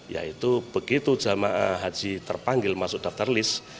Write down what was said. yaitu begitu jemaah haji terpanggil masuk daftar list